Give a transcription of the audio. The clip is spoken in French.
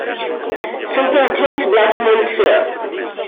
Son père James Blackmon Sr.